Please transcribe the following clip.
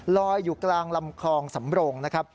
ลอยอยู่กลางลำคลองสำโรงนะครับ